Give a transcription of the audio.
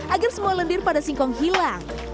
agar semua lendir pada singkong hilang